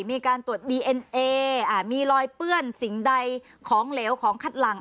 มีการตรวจดีเอ็นเอมีรอยเปื้อนสิ่งใดของเหลวของคัดหลัง